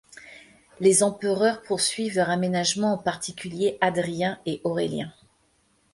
Les empereurs poursuivirent leurs aménagements en particulier Hadrien et Aurélien.